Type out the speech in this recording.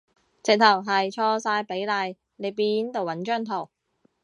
直頭係錯晒比例，你邊度搵張圖